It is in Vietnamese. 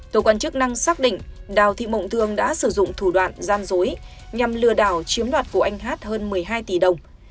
tổ quan chức năng xác định đào thị mộng thương đã sử dụng thủ đoạn gian dối nhằm lừa đảo chiếm đoạt của anh hát hơn một mươi hai tỷ đồng